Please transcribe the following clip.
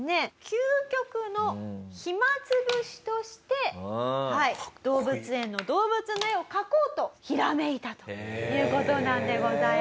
究極の暇潰しとして動物園の動物の絵を描こうとひらめいたという事なのでございます。